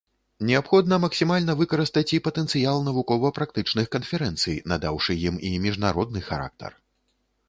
Неабходна максімальна выкарыстаць і патэнцыял навукова-практычных канферэнцый, надаўшы ім і міжнародны характар.